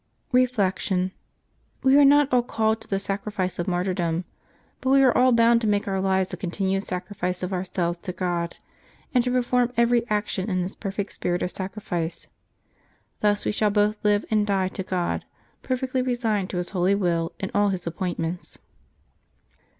Reflection. — We are not all called to the sacrifice of martyrdom ; but we are all bound to make our lives a con tinued sacrifice of ourselves to God, and to perform every action in this perfect spirit of sacrifice. Thus we shall both live and die to God, perfectly resigned to His holy will in all His appointments.